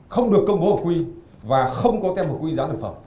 không được công bố hợp quy và không có tem hợp quy giám sát sản phẩm